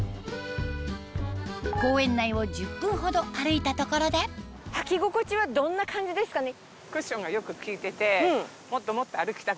公園内を１０分ほど歩いたところで履き心地はどんな感じですかね？